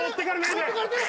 持ってかれてる！